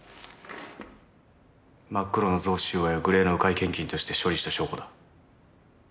真っ黒の贈収賄をグレーの迂回献金として処理した証拠だ。